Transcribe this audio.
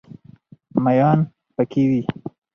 ماهیان پکې وي.